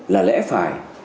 là lẽ phải